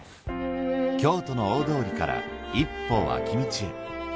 京都の大通りから一歩脇道へ。